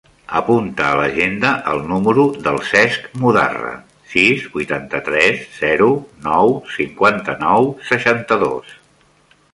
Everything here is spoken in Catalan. Apunta a l'agenda el número del Cesc Mudarra: sis, vuitanta-tres, zero, nou, cinquanta-nou, seixanta-dos.